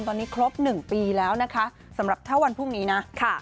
ตอนนี้ครบ๑ปีแล้วนะคะสำหรับถ้าวันพรุ่งนี้นะค่ะ